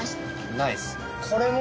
ないです。